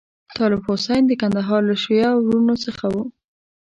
طالب حسین د کندهار له شیعه وروڼو څخه وو.